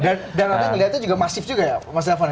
dan rupanya melihatnya juga masif juga ya mas devon ya